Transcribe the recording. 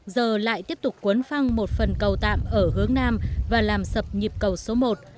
giờ lại tiếp tục cuốn phăng một phần cầu tạm ở hướng nam và làm sập nhịp cầu số một